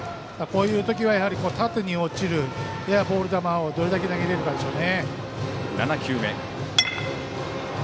こういう時は、縦に落ちるややボール球をどれだけ投げられるかで小ね。